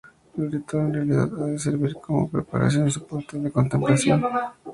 El ritual, en realidad, ha de servir como preparación y soporte de la contemplación.